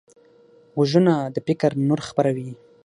غوږونه د فکر نور خپروي